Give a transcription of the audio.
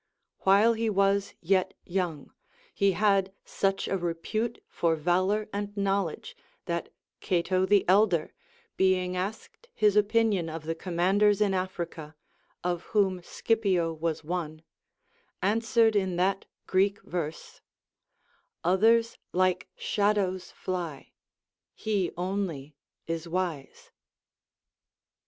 While he Avas yet young, he had such a repute for valor and knowledge, that Cato the Elder, being asked his opinion of the commanders in Africa, of whom Scipio was one, answered in that Greek verse, — 236 THE APOPHTHEGMS OF lONGS Others like sliadows Qy; He only is wise.